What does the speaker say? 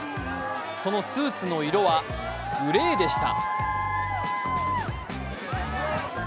そのスーツの色はグレーでした。